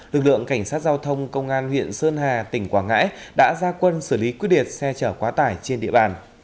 lực lượng cảnh sát giao thông công an huyện sơn hà tỉnh quảng ngãi đã ra quân xử lý quyết liệt xe chở quá tải trên địa bàn